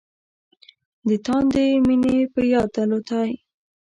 د تاندې مينې په یاد الوتای